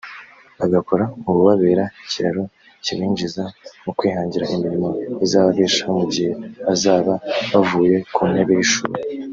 bagakora ububabera ikiraro kibinjiza mu kwihangira imirimo izababeshaho mu gihe bazaba bavuye ku ntebe y’ishuri